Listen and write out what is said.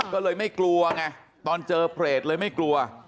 ก็เลยไม่กลัวไงตอนเจอเปรตเลยไม่กลัว